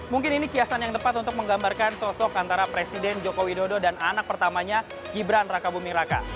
mungkin ini kiasan yang tepat untuk menggambarkan sosok antara presiden joko widodo dan anak pertamanya gibran raka buming raka